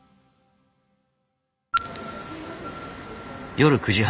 夜９時半。